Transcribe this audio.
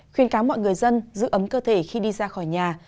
khuyên cáo mọi người dân giữ ấm cơ thể khi đi ra khỏi nhà